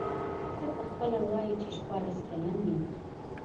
ته به خپله وایې چي شپاړس کلن یم.